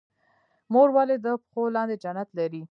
مور ولې د پښو لاندې جنت لري؟